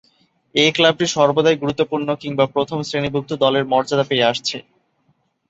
এ ক্লাবটি সর্বদাই গুরুত্বপূর্ণ কিংবা প্রথম-শ্রেণীভূক্ত দলের মর্যাদা পেয়ে আসছে।